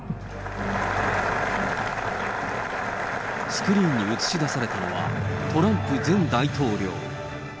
スクリーンに映し出されたのは、トランプ前大統領。